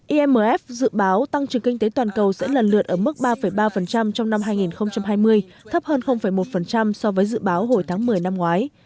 imf dự báo tăng trưởng kinh tế toàn cầu sẽ lần lượt ở mức ba ba trong năm hai nghìn hai mươi thấp hơn một so với dự báo hồi tháng một mươi năm ngoái